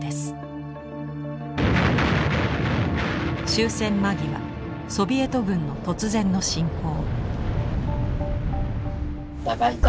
終戦間際ソビエト軍の突然の侵攻。